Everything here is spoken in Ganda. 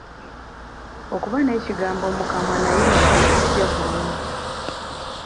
Okuba n'ekigambo mu kamwa naye nga tekijja bulungi.